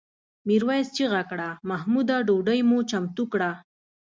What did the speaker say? میرويس چیغه کړه محموده ډوډۍ مو چمتو کړه؟